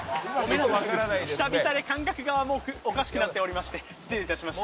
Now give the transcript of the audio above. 久々で感覚がおかしくなっておりまして失礼いたしました。